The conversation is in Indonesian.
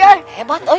bener kakinya sakti